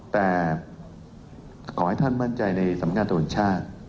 แต่ขอให้ท่านมั่นใจในสำคัญการตัวบนชาติ